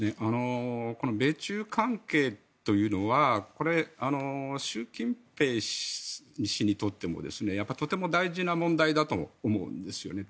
米中関係というのはこれ、習近平氏にとってもとても大事な問題だと思うんですね。